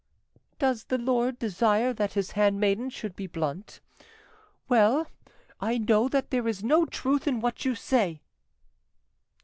"Does my lord desire that his handmaiden should be blunt? Well, I know that there is no truth in what you say."